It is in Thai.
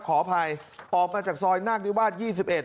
ขออภัยออกมาจากซอยนาคนิวาสยี่สิบเอ็ด